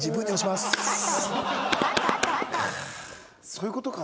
そういう事か。